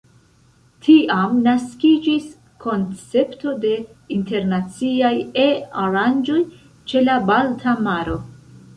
Tiam naskiĝis koncepto de internaciaj E-aranĝoj ĉe la Balta Maro.